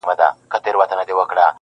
بېشکه مرګه چي زورور یې-